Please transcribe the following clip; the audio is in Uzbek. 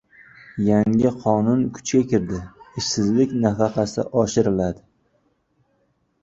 Yangi qonun kuchga kirdi. Ishsizlik nafaqasi oshiriladi